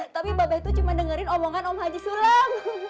tapi babay tuh cuman dengerin omongan om haji sulam